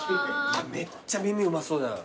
めっちゃ耳うまそうじゃん。